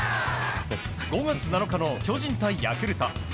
５月７日の巨人対ヤクルト。